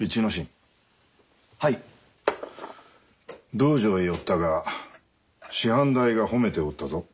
道場へ寄ったが師範代が褒めておったぞ。